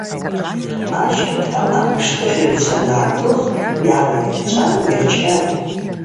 Ащымта апаштыхӏыгӏвчва ангӏагылх йгӏалайырчӏван йырчатӏ.